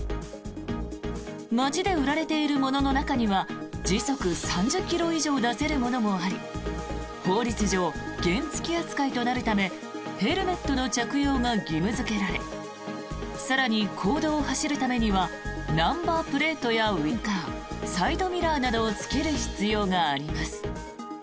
街で売られているものの中には時速３０ｋｍ以上出せるものもあり法律上、原付き扱いとなるためヘルメットの着用が義務付けられ更に、公道を走るためにはナンバープレートやウィンカーサイドミラーなどをつける必要があります。